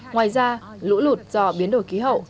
ngoài ra lũ lụt do biến đổi khí hậu